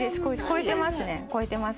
超えてますね超えてます。